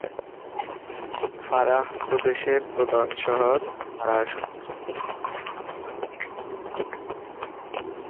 ফারাহ প্রদেশের প্রধান শহর ফারাহ শহর।